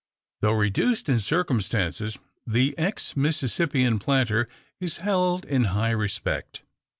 Though reduced in circumstances, the ex Mississippian planter is held in high respect.